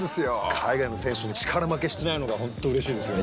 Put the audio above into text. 海外の選手に力負けしてないのが本当うれしいですよね。